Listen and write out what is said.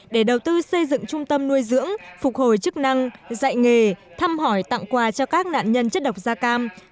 để đầu tư xây dựng trung tâm nuôi dưỡng phục hồi chức năng dạy nghề thăm hỏi tặng quà cho các nạn nhân chất độc da cam